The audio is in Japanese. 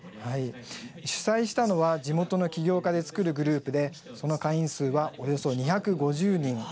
主催したのは地元の起業家で作るグループでその会員数は、およそ２５０人。